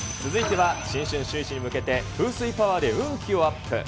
続いては新春シューイチに向けて、風水パワーで運気をアップ。